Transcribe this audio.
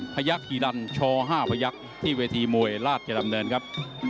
ยักษีดันช๕พยักษ์ที่เวทีมวยราชดำเนินครับ